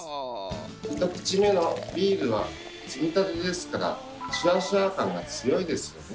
１口目のビールはつぎたてですからシュワシュワ感が強いです。